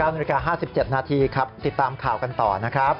๙น๕๗นครับติดตามข่าวกันต่อนะครับ